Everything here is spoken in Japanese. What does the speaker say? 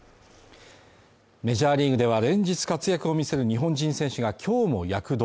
メジャーリーグでは連日活躍を見せる日本人選手が今日も躍動。